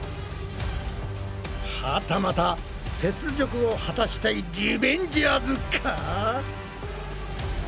はたまた雪辱を果たしたいリベンジャーズか？